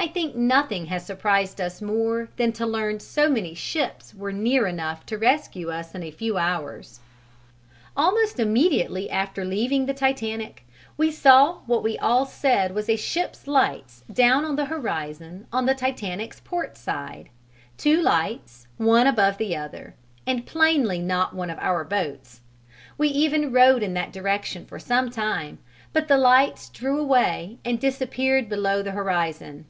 I think nothing has surprised us more than to learn so many ships were near enough to rescue us in a few hours. Almost immediately after leaving the Titanic we saw what we all said was a ship's lights down on the horizon on the Titanic's port side: two lights, one above the other, and plainly not one of our boats; we even rowed in that direction for some time, but the lights drew away and disappeared below the horizon.